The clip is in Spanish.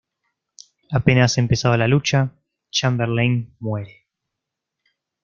Apenas empezada la lucha, Chamberlain muere.